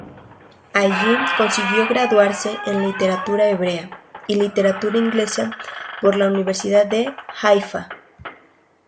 Allí consiguió graduarse en literatura hebrea y literatura inglesa por la Universidad de Haifa.